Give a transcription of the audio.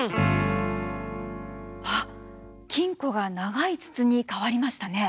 あっ金庫が長い筒に変わりましたね。